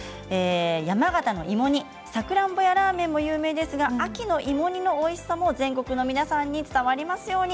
山形の芋煮、サクランボやラーメンも有名ですが秋の芋煮のおいしさも全国の皆さんに伝わりますように。